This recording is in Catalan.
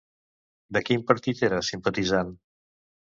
De quin partit era simpatitzant?